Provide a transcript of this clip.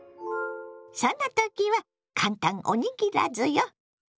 そんな時は簡単おにぎらずよ！